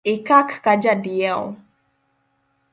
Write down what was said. Ikak ka jadiewo